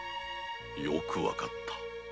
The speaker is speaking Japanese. よくわかった。